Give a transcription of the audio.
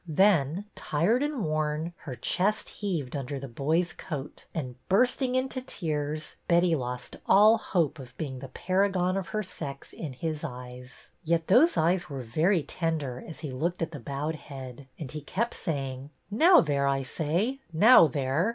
Then, tired and worn, her chest heaved under the boy's coat, and, bursting into tears, Betty lost all hope of being the Paragon of her sex in his eyes. Yet those eyes were very tender as he looked at the bowed head, and he kept saying. Now there, I say, now there!"